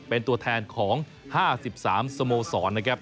เป็นตัวแทนของ๕๓สโมสรนะครับ